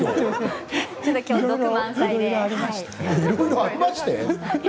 いろいろありまして。